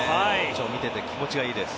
見てて気持ちがいいです。